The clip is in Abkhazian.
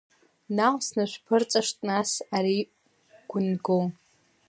Наҟ снашәԥырҵышт нас, ари гәынго.